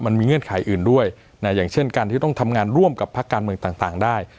เงื่อนไขอื่นด้วยนะอย่างเช่นการที่ต้องทำงานร่วมกับภาคการเมืองต่างได้